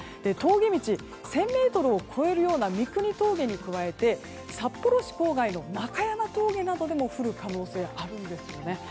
峠道１０００ｍを超えるような三国峠に加えて札幌市郊外の中山峠などでも降る可能性があるんですよね。